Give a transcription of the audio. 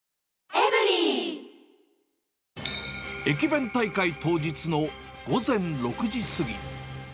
駅弁大会当日の午前６時過ぎ。